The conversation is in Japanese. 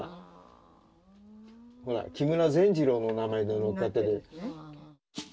木村善次郎の名前で載っかってる。